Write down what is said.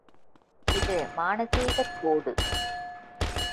இது மானசீகக் கோடு.